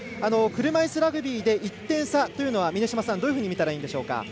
車いすラグビーで１点差はどういうふうに見たらいいんでしょうか。